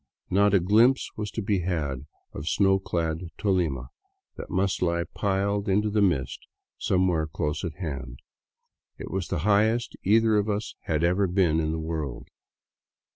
Not a glimpse was to be had of ;snow clad ToHma that must lie piled into the mist somewhere close at hand. It was the highest either of us had ever been in the world.